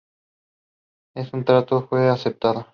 Este trato fue aceptado.